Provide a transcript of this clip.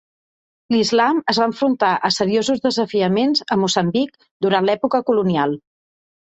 L'islam es va enfrontar a seriosos desafiaments a Moçambic durant l'època colonial.